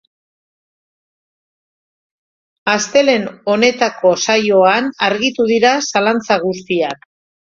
Astelehen honetako saioan argituko dira zalantza guztiak.